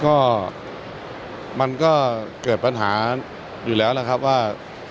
ก็มันก็เกิดปัญหาอยู่แล้วนะครับว่า